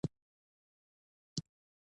ښايي اوبه یا وینه وي.